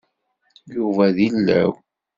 Yuba d ilaw.